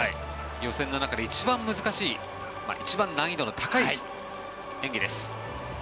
予選の中で一番難しい一番難易度の高い種目です。